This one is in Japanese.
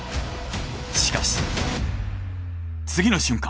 しかし次の瞬間！